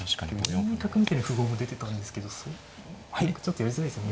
４二角みたいな符号も出てたんですけどそれちょっとやりづらいですよね。